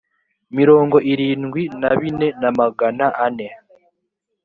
mirongo irindwi na bine na magana ane